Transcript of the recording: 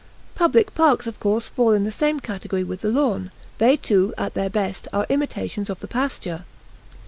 Public parks of course fall in the same category with the lawn; they too, at their best, are imitations of the pasture.